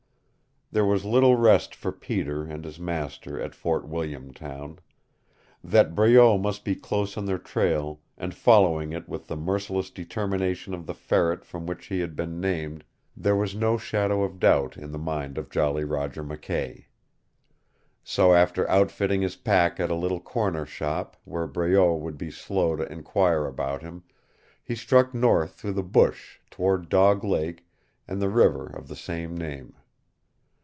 There was little rest for Peter and his master at Fort William town. That Breault must be close on their trail, and following it with the merciless determination of the ferret from which he had been named, there was no shadow of doubt in the mind of Jolly Roger McKay. So after outfitting his pack at a little corner shop, where Breault would be slow to enquire about him, he struck north through the bush toward Dog Lake and the river of the same name.